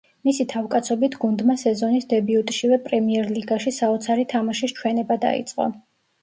მისი თავკაცობით გუნდმა სეზონის დებიუტშივე პრემიერლიგაში საოცარი თამაშის ჩვენება დაიწყო.